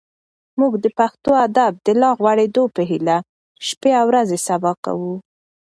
موږ د پښتو ادب د لا غوړېدو په هیله شپې او ورځې سبا کوو.